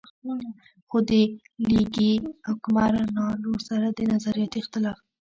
خو د ليګي حکمرانانو سره د نظرياتي اختلاف